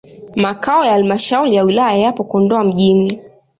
Makao ya halmashauri ya wilaya yapo Kondoa mjini.